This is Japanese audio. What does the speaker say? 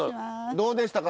どうでしたか？